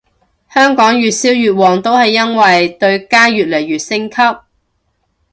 香港越燒越旺都係因為對家越嚟越升級